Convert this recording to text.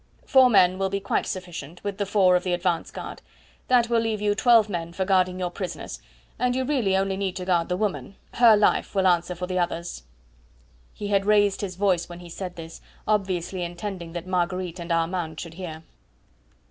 "Four men will be quite sufficient, with the four of the advance guard. That will leave you twelve men for guarding your prisoners, and you really only need to guard the woman her life will answer for the others." He had raised his voice when he said this, obviously intending that Marguerite and Armand should hear.